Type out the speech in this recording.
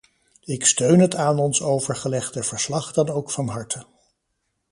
Ik steun het aan ons overgelegde verslag dan ook van harte.